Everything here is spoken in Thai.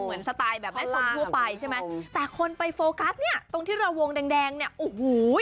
เหมือนสไตล์แบบแม่ชมพูไปใช่ไหมแต่คนไปโฟกัสเนี่ยตรงที่ระวงแดงเนี่ยโอ้โห